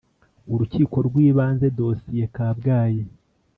Urukiko rw Ibanze dosiye kabgayi